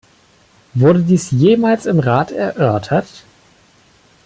Wurde dies jemals im Rat erörtert?